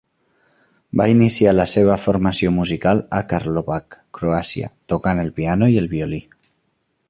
Va iniciar la seva formació musical a Karlovac, Croàcia, tocant el piano i el violí.